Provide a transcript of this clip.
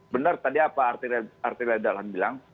benar tadi apa artir yadahlan bilang